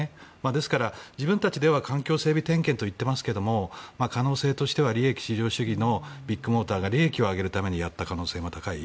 ですから、自分たちでは環境整備点検といっていますが可能性としては利益至上主義のビッグモーターが利益を上げるためにやった可能性が高い。